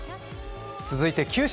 続いて九州